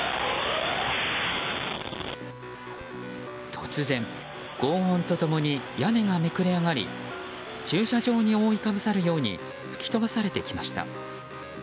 突然、轟音と共に屋根がめくれ上がり駐車場に覆いかぶさるように吹き飛ばされてきました。